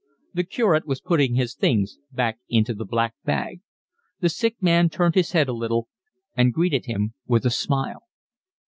The curate was putting his things back into the black bag. The sick man turned his head a little and greeted him with a smile.